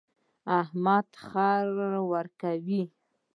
احمد خړه ورکوي.